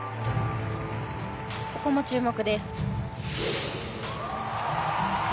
ここも注目です。